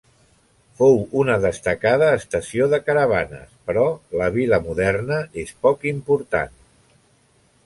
Fou una destacada estació de caravanes però la vila moderna és poc important.